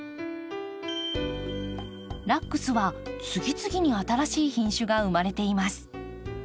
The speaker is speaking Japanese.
ラックスは次々に新しい品種が生まれています。